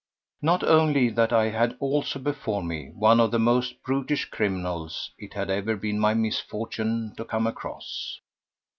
Not only that. I had also before me one of the most brutish criminals it had ever been my misfortune to come across.